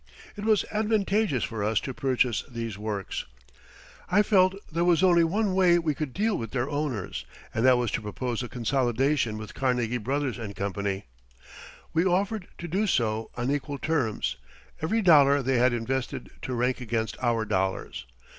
It was advantageous for us to purchase these works. I felt there was only one way we could deal with their owners, and that was to propose a consolidation with Carnegie Brothers & Co. We offered to do so on equal terms, every dollar they had invested to rank against our dollars.